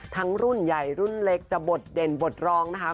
รุ่นใหญ่รุ่นเล็กจะบทเด่นบทรองนะคะ